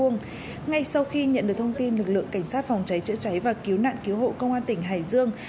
ngay sau khi nhận được thông tin lực lượng cảnh sát phòng cháy chữa cháy và cứu nạn cứu hộ công an tỉnh hải dương